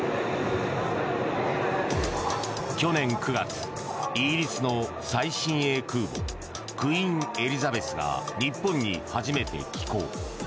去年９月、イギリスの最新鋭空母「クイーン・エリザベス」が日本に初めて寄港。